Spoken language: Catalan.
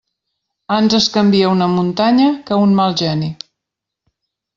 Ans es canvia una muntanya que un mal geni.